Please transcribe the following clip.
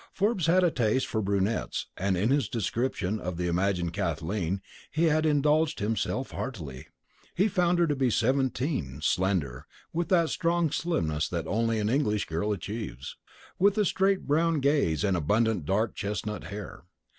Forbes had a taste for brunettes, and in his description of the imagined Kathleen he had indulged himself heartily. He found her to be seventeen, slender, with that strong slimness that only an English girl achieves; with a straight brown gaze and abundant dark chestnut hair.